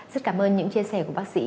rất cảm ơn những chia sẻ của bác sĩ